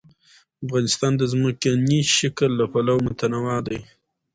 افغانستان د ځمکنی شکل له پلوه متنوع دی.